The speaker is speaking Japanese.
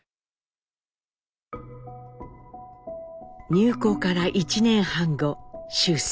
入校から１年半後終戦。